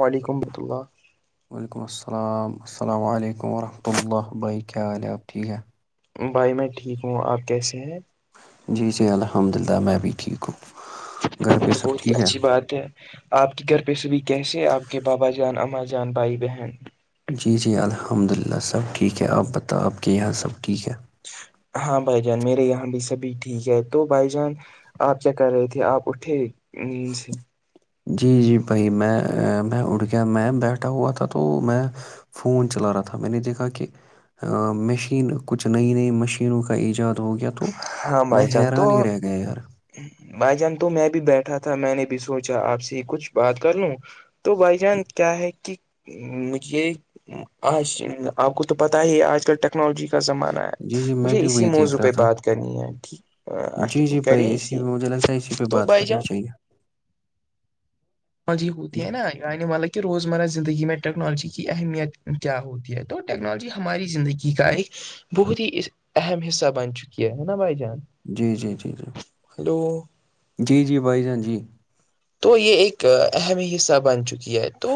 وعلیکمحمۃ اللہ وعلیکم السلام السلام علیکم ورحمۃہ اللہ بھائی کیا حال ہیں آپ ٹھیک ہے بھائی میں ٹھیک ہوں آپ کیسے ہیں جی جی الحمد للہ میں بھی ٹھ ہوں گھر پہ سب بہت ہی ٹھیک ہے اچھی بات ہے آپ کی گھر پہ سبھی کیسے آپ کے بابا جان اما جان بھائی بہن جی جی الحمد للہ سب ٹھیک ہے آپ بتاؤ آپ کے یہاں سب ٹھیک ہے ہاں بھائی جان میرے یہاں بھی سبھی ٹھیک ہے تو بھائی جان آپ کیا کر رہے تھے آپ اٹھے اند سے جی جی بھائی میں میں اھ گیا میں بیٹھا ہوا تھا تو میں فون چلا رہا تھا میں نے دیکھا کہ مشین کچھ نئی نئی مشینوں کا ایجاد ہو گیا تو ہاں میں بھائی جان حیران ہی تو رہ گیا یار بھائی جان تو میں بھی بیٹھا تھا میں نے بھی سوچا آپ سے کچھ بات کر لوں تو بھائی جان کیا ہے کہ مجھے آج آپ کو تو پت ہی آج کل ٹائم ٹیکنالوجی کا زمانہ جی ہے جی میں مجھے بھی اسی وہی موضوع دیکھ رہا پہ تھا بات کرنی ہے جی جی کر بھائی اسی اسسی پہ مجھے لگتا ہے اسی پہ تو بات بائی کرنی جان چاہیے مجی ہوتی جی ہے نا والا کہ روزمرہ زندگی میں ٹیکنالوجی کی اہمیت کیا ہوتی ہے تو ٹیکنالوجی ہماری زندگی کا ایک بہت ہی اہم حصہ بن چکی ہے ہے نا بھائی جان جی جی جی جی ہلو جی جی بھائی جان جی تو یہ ایک اہمی ہی حصہ بن چکی ہے تو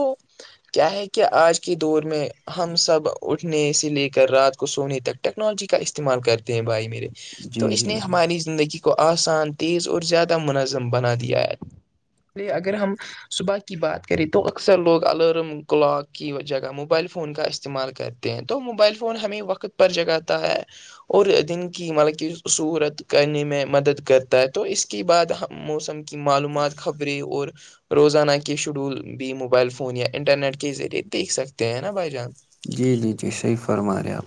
کیا ہے کہ آج کی دور میں ہم سب اٹھنے سے لے کر رات کو سونے تک ٹیکنالوجی کا استعمال کرتے ہیں بھائی میرے تو جی اس نے جی جی ہماری زندگی کو آسان تیز اور زیادہ منظم بنا دیا ہے اگر ہم صبح کی بات کریں تو اکثر لوگ الارم کلاک کی جگہ موبائل فون کا استعمال کرتے ہیں تو موبائل فون ہمیں وقت پر جگاتا ہے اور دن کی مطلب کہ صورت کرنے میں مدد کرتا ہے تو اس کے بعد ہم موسم کہ معلومات خبریں اور روزانہ کے شیڈول بھی موبائل فون یا انٹرنیٹ کے ذریعے دیکھ سکتے ہیں نا بھائی جان جی جی جی صحیح فرما رہے آپ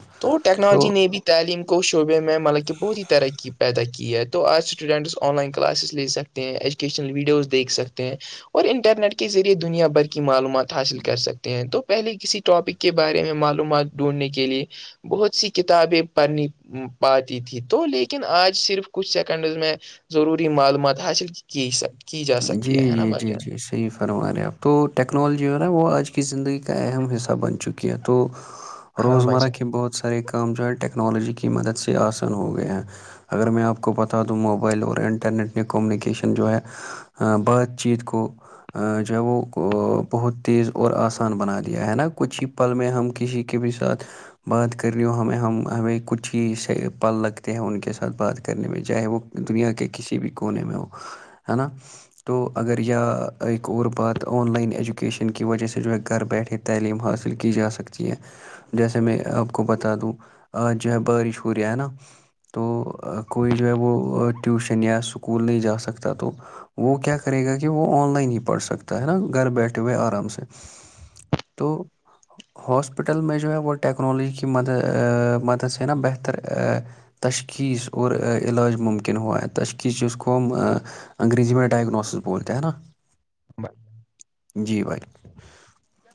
تو ٹیکنالوجی نے بھی تعلیم کو شعبے میں مطاک بہت ہی ترقی پیدا کی ہے تو آج اسٹوڈنٹس آن لائن کلاسز لے سکتے ہیں ایجوکیشنل ویڈیوز دیکھ سکتے ہیں اور انٹرنیٹ کے ذریعے دنیا بھر کی معلومات حاصل کر سکتے ہیں تو پہلے کسی ٹاپک کے بارے میں معلومات ڈھونڈنے کے لیے بہت سی کتابیں پڑھنی پاتی تھی تو لیکن آج صرف کچھ سیکنڈز میں ضروری معلومات حاصل کی کی جا جی سکتی ہے ہے نا جی بھائی جی جان جی صحیح فرما رہے آپ تو ٹیکنالوجی جو ہے نا وہ آج کی زندگی کا اہم حصہ بن چکی ہے تو [inaudible] روزمرہ جان کے بہت سارے کام جو ہے ٹیکنالوجی کی مدد سے آسان ہو گئے ہیں اگر میں آپ کو بتا دوں موبائل اور انٹرنیٹ نے کمونیکیشن جو ہے بات چیت کو جو ہے وہ بہت تیز اور آسان بنا دیا ہے نا کچھ ہی پل میں ہم کسی کے بھی ساتھ بات کر رہی ہوں ہمیں ہم ہمیں کچھ ہی سے ہاں پل لگ ہیں ان کے ساتھ بات کرنے میں چاہے وہ دنیا کے کسی بھی کونے میں ہو ہے نا تو اگریا ایک اور بات آن لائن ایجوکیشن کی وجہ سے جو ہے گھر بیٹھے تھے تعلیم حاصل کی جا سکتی ہے جیسے میں آپ کو بتا دوں آج جو ہے بارش ہو رہی ہے نا تو کوئی جو ہے وہ ٹیوشن یا اسکول نہیں جا سکتا تو وہ کیا کرے گا کہ وہ آن لائن ہی پڑھ سکتا ہے نا گھر بیٹھے ہوئے آرام سے [inaudible] ہاسپٹل میں جو ہے وہ ٹیکنالوجی کی مدد سے نا بہتر تشخیص اور علاج ممکن ہوا ہے تشخیصی اس قوم انگریزی می ڈائگنس بولتے ہیں ہے نا [inaudible] جی بھائی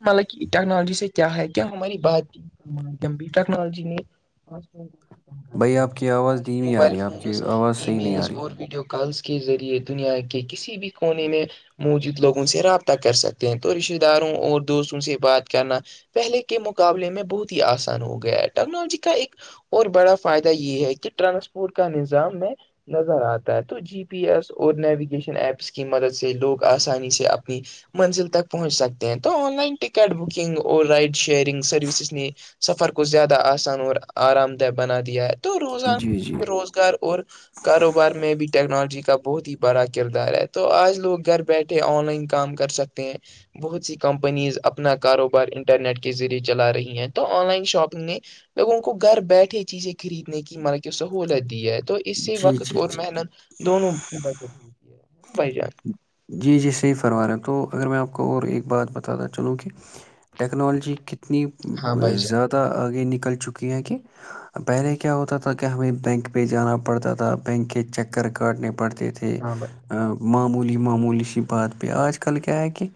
مطلب کہ ٹیکنالوجی سے کیا ہے کیا ہماری بات چیم بھی ٹیکنالوجی نے تم بھائی آپ کی آواز آج دھیمی آ موبائل رہی ہے آپ کی فونز آواز ای صحیح نہیں آ میلز رہی اور ویڈیو کالز کے ذریعے دنیا کے کسی کسی بھی کونے میں موجود لوگوں سے رابطہ کر سکتے ہیں تو رشتے داروں اور دوستوں سے بات کرنا پہلے کے مقابلے میں بہت ہی آسان ہو گیا ہے ٹیکنالوجی کا ایک اور بڑا فائدہ یہ ہے کہ ٹرانسپورٹ کا نظام میں نظر آتا ہے تو جی پی ایس اور نیویگیشن ایپس کی مدد سے لوگ آسانی سے اپنی منزل تک پہنچ سکتے ہیں تو آن لائن ٹکٹ بکنگ اور رائڈ شیئرنگ سروسز نے سفر کو زیادہ آسان اور آرام دہ بنا دیا ہے تو جی جی روزانہ روزگار اور کاروبار میں بھی ٹیکنالوجی کا بہت ہی بڑا کردار ہے تو آج لوگ گھر بیٹھے آن لائن کام کر سکتے ہیں بہت ہیی کمپنیز اپنا کاروبار انٹرنیٹ کے ذریعے چلا رہی ہیں تو آن لائن شاپنگ نے لوگوں کو گھر بیٹھے چیزیں خریدنے کی مطب کی سہولت دی ہے تو اسی جی وقت جی اور جی محنت دونوں کی بچت ہوتی ہےا بھائی جان جی جی صحیح فرما رہے ہیں تو اگر میں آپ کو اور ایک بات بتا تھا چلوں کہ ٹیکنالوجی کتنی ہاں بھائی جان زیادہ آگ یہ نکل چکی ہے کہ پہلے کیا ہوتا تھا کہ ہمیں بینک پہ جانا پڑ پڑتا تھا بینک کے چکر کاٹنے پڑتے تھے ہاں بھائی معمولی معمولیش بات پہ آج کل کیا ہے کہ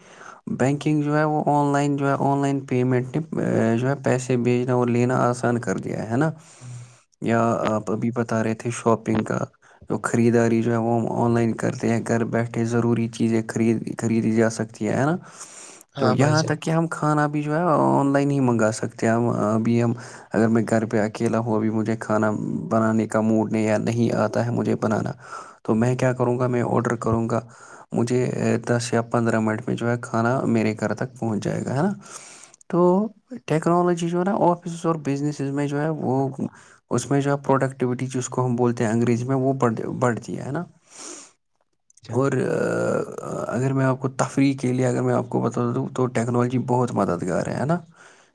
بینکنگ جو ہے وہ آن لائن جو ہے آن لائن پیمنٹ نے جو ہے پیسے بھیجنا اور لینا آسان کر لیا ہے نا جان یا آپ ابھی بتا رہے تھے شاپنگ کا جو خریداری جو ہے وہ ہم آن لائن کرتے ہیں گھر بیٹھے ضروری چیزیں خرید خریدی جا سکتی ہے نا [inaudible] تو یہاں جان تک کہ ہم کھانا بھی جو ہے آن لائن ہی منگا سکتے ہیں ہم ابھی ہم اگر میں گھر پہ اکیلا ہوں بھی مجھے کھانا بنانے کا موڈ یا نہیں آتا ہے مجھے بنانا تو میں کیا کروں گا میں آڈر کروں گا مجھے دس یا پندرہ منٹ میں جو ہے کھانا میرے گھر تک پہنچ جائے گا ہے نا تو ٹیکنالوجی جو ہے نا آفسز اور بزنسز میں جو ہے وہ اس میں جو ہے پروڈکٹیوٹی کو ہم بولتے ہیں انگریزی میں وہڑ بڑھتی ہے ہے نا اور اگر میں آپ کو تفریح کے لیے اگر میں آپ کو بتا دوں تو ٹیکنالوجی بہت مددگار ہے نا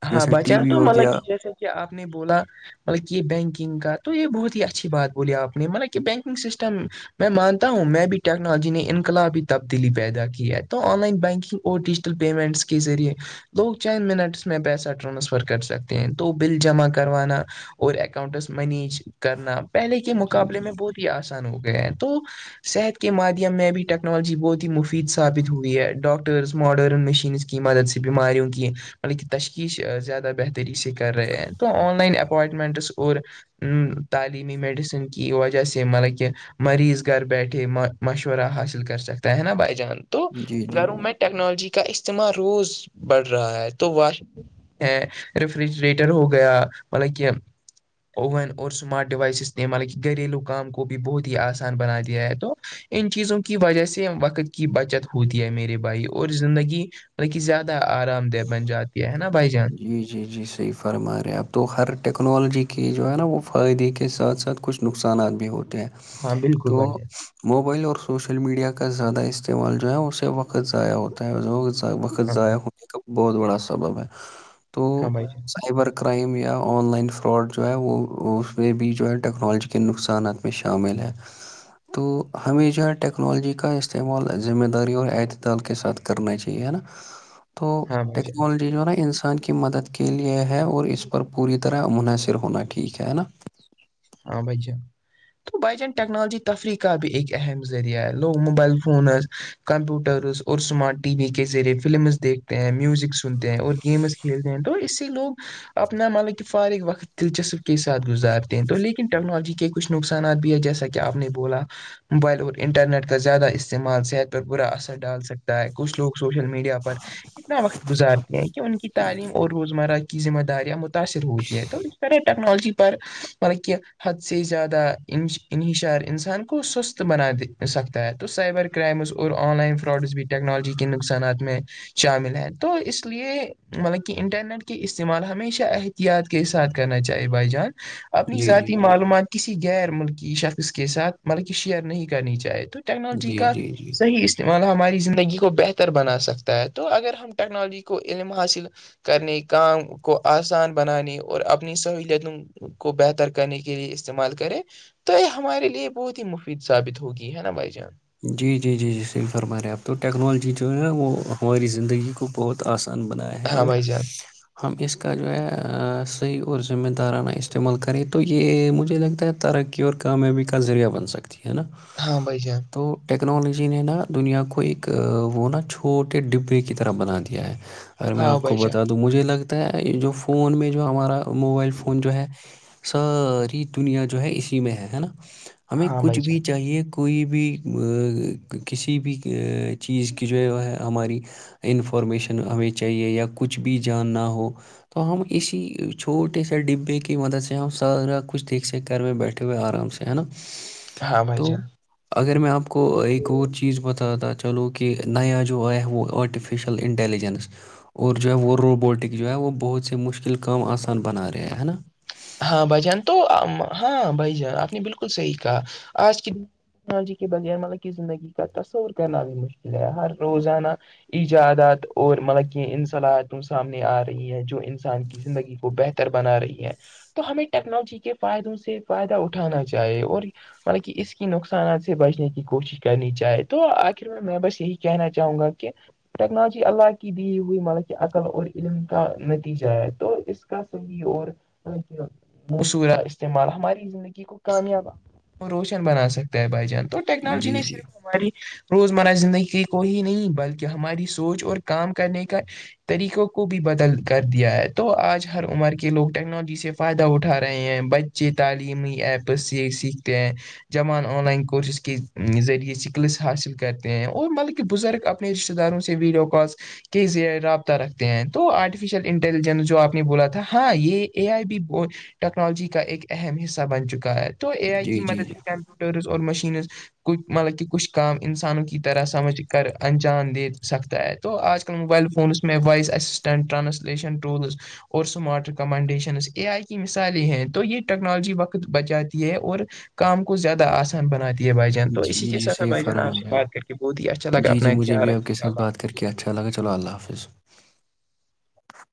ہاں جیسے ٹی بچان وی تو ہو مطلب گیا کہ جیسے کہ آپ نے بولا مطلب کہ یہ بینکنگ کا تو یہ بہت ہی اچھی بات بولی آپ نے مطلب کہ بینکنگ سسٹم میں مانتا ہوں میں بھی ٹیکنالوجی نے انقلاب تبدیلی پیدا کی ہے تو آن لائن بینکنگ اور ڈیجیٹل پیمنٹس کے ذریعے لوگ چند منٹس میں پیسہ ٹرانسفر کر سکتے ہیں تو بل جمع کروانا اور اکاؤنٹس منیج کرنا پہلے کے مقابلے میں بہت ہی آسان ہو گیا ہیں تو صحت کے مادھیم میں بھی ٹیکنالوجی بہت ہی مفید ثابت ہوئی ہے ڈاکٹرس ماڈرن مشینس کی مدد سے بیماریوں کی بکہ تشخیش زیادہ بہتری سے کر رہے ہیں تو آن لائن اپوائنٹمنٹس اور ا تعلیمی میڈیسن کی وجہ سے مطلب کہ مریض گھر بیٹھے مشورہ حاصل کر سکتا ہے نا بھائی جان تو جی جی گھروں میںں ٹیکنالوجی کا استعمال روز بڑھ رہا ہے تو واشگ ہے ریفریجریٹر ہو گیا مطلب کہ اوون اور سمارٹ ڈیوائس اس نے ہمل کہ گھریلو کام کو بھی بہت ہی آسان بنا دیا ہے تو ان چیزوں کی وجہ سے وقت کی بچت ہوتی ہے میرے بھائی اور زندگی بی زیادہ آرام دہ بن جاتی ہے نا بھائی جان جی جی جیر صحیح فرما رہے ہیں اب تو ہر ٹیکنالوجی کی جو ہے نا وہ فائدے کے ساتھ ساتھ کچھ نقصانات بھی ہوتے ہیں ہاں بالکل تو بھائی جان موبائل اور سوشل میڈیا کا زیادہ استعمال جو ہے اسے وقت ضائع ہوتا ہے وقت ہاں ضائع بھائی ہونے کا بہت بڑا سبب ہے تو ہاں بھائی جان سائبر کا کرائم یا آن لائن فراڈ جو ہے وہ اس میں بھی جو ہے ٹیکنالوجی کے نقصانات میں شامل ہے تو ہمیشہ ٹیکنالوجی کا استعمال ذمہ داری اور اعت دال کے ساتھ کرنا چاہیے ہے نا تو ہاں بھائی جان ٹیکنالوجی جو ہے نا انسان انسان کی مدد کے لیے ہے اور اس پر پوری طرح منحصر ہونا ٹھیک ہے نا ہاں بھائی ج تو بائی چان ٹیکنالوجی تفریح کا بھی ایک اہم ذریعہ ہے لوگ موبائل فونز کمپیوٹرس اور اسمارٹ ٹی وی کے ذریعے فلمز دیکھتے ہیں میوزک سنتے ہیں اور گیمز کھیلتے ہیں تو اس سے لوگ اپنا مطلب کہ فارغ وقت دلچسپ کے ساتھ گزارتے ہیں تو لیکن ٹیکنالوجی کے کچھ نقصانات بھی ہے جیسا کہ آپ نے بولا موبائل اور انٹرنیٹ کا زیادہ استعمال صحت پر برا اثر ڈال سکتا ہے کچھ لوگ سوشل میڈیا پر اتنا وقت گزارتے ہیں کہ ان کی تعلیم اور روزمرہ کی ذمہ داریاں متاثر ہوتی ہے تو س ٹیکنالجی پر مطلب کی حد سے زیادہ انحشار انسان کو سست بناے سکتا ہے تو سائبر کے کرائمز اور آن لائن فراڈس بھی ٹیکنالوجی کے نقصانات میں شامل ہیں تو اس لیے مطلب کہ انٹرنیٹ کے استعمال ہمیشہ احتیاط کے ساتھ کرنا چاہیے بھائی جان اپنی جی ذاتی معلومات کسی غیر ملکی شخص کے ساتھ مطلب کہ شیئر نہیں کرنی چاہے تو ٹیکنالوجی جی جی کا جی جی صحی ما ہماری زندگی کو بہتر بنا سکتا ہے تو اگر ہم ٹیکنالوجی کو علم حاصل کرنے کام کو آسان بنانے اور اپنی سہولتوں کو بہتر کرنے کے لیے استعمال کریں تو یہ ہمارے لیے بہت ہی مفید ثابت ہوگی ہے نا بھائی جان جی جی جی جی سل فرما رہے ہیں اپ تو ٹیکنالوجی جو ہےا وہ ہماری زندگی کو بہت آسان بنایا ہے ہیں ہاں اور بھائی جان ہم اس کا جو ہے صحیح اور ذمہ دارانہ استعمال کریں تو یہ مجھے لگتا ہے ترقی اور کامیابی کا ذریعہ بن سکتی ہے نا ہاں بھائی جان تو ٹیکنالوجی نے نا دنیا کو ایک وہ نا چھوٹے ڈبے کی طرح بنا دیا ہے اگر میں ہاں آپ کو بھائی جان بتا دوں مجھے لگتا ہے جو فون میں جو ہمارا موبائل فون جو ہے ساری دنیا جو ہے اسی میں ہے ہے نا ہمیں ہاں بھائی کچھ جان بھی چاہیے کوئی بھی کسی بھی چیز کی جو ہے وہ ہے ہماری انفارمیشن ہمیں چاہیے یا کچھ بھی جاننا ہو تو ہم اسی چھوٹے سے ڈبے کی مدد سے ہم سارا کچھ دیکھ سیکھ کر میں بیٹھ کرئے آ س سےنت ہاں بھائی جان اگر میں آپ کو ایک اور چیز بتاا تو چلو کہ نیا جو آیا وہ آرٹیفیشل انٹیلیجنس اور جو ہے وہ روبوٹک جو ہے وہ بہت سے مشکل کام آسان بنا رہے ہے نا ہاں بھائی جان تو ہاں بھائی جان آپ نے بالکل صحیح کہا آج کے د ٹیکنالوجی کے بغیر مطلب کی زندگی کا تصور کرنا بھی مشکل ہے ہر روزانہ ایجادات اور ملکی ان صلاحیتوں سامنے آ رہی ہیں جو انسان کی زندگی بہتر بنا رہی ہے تو ہمیں ٹیکنالوجی کے فائدوں سے فائدہ اٹھانا چاہیے اور مطب کہ اس کی نقصانات سے بچنے کی کوشش کرنی چاہے تو آخر میں میں بس یہی کہنا چاہوں گا کہ ٹیکنالوجی اللہ کی دی ہوئی ملب کہ عقل اور علم کا نتیجہ ہے تو اس کا س کی اور موسورا استعمال ہماری زندگی کو کامیاب روشن بنا سکتا ہے بھائی جان تو ٹیکنالوجی جی نے جی صرف ہماری روزمرہ زندگی کو ہی نہیں بلکہ ہماری سوچ اور کام کرنے کا طریقوں کو بھی بدل کر دیا ہے تو آج ہر عمر کے لوگ ٹیکنالوجی سے فائدہ اٹھا رہے ہیں بچے تعلیمی ایپس سیکھتے ہیں جوان آن لائن کورسز کے ذریعے سکلس حاصل کرتے ہیں اور مطلب کہ بزرگ اپنے رشتے داروں سے ویڈیو کس کے رابطہ رکھتے ہیں تو آرٹیفیشل انٹیلیجنس جو آپ نے بولا تھا ہاں یہ اے آئی بی ٹیکنالوجی کا ایک اہم حصہ بن چکا ہے تو اے آئی کی جی جی مدد سے ٹر اور مشینز کھ مطلب کہ کچھ کام انسانوں کی طرح سمجھ کر انجان دے سکتا ہے تو آج کل موبائل فونس م میں وائس ایسسٹنٹرانسلیشن ولز اور سمارٹ ریکمنڈیشن آئی مثالیں ہیں تو یہ ٹیکنالوجی وقت بچ جاتی ہے اور کام کو زیادہ آسان بنا دیا ہے بھ جان جی تو اسی جی کے جی ساتھ صحیح بھائی جان آپ فرما سے رہے ہیں بات کر کے بہت ہی اچھا لگا اپنا خ رکے گا اللہ حافظ کیا اچھاگ چلو اللہ حافظ